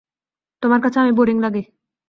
তোমার কাছে আমি বোরিং লাগি!